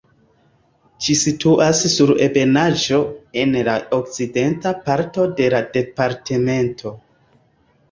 Ĝi situas sur ebenaĵo en la okcidenta parto de la departemento.